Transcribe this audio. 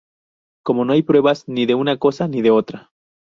Como no hay pruebas ni de una cosa, ni de la otra.